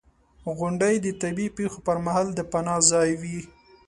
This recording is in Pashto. • غونډۍ د طبعي پېښو پر مهال د پناه ځای وي.